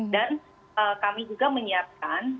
dan kami juga menyiapkan